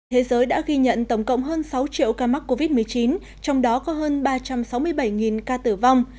thế giới đã ghi nhận tổng cộng hơn sáu triệu ca mắc covid một mươi chín trong đó có hơn ba trăm sáu mươi bảy ca tử vong